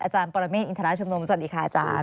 อาจารย์ประเมนอินทรรณชมโนมสวัสดีค่ะอาจารย์